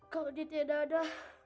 kalau ditidak ada